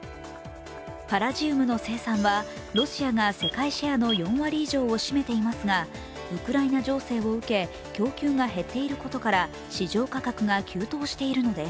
パラジウムの生産は、ロシアが世界支援の４割以上を占めていますが、ウクライナ情勢を受け、供給が減っていることから市場価格が急騰しているのです。